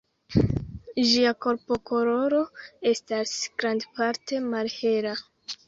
Ĝia korpokoloro estas grandparte malhela.